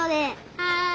はい。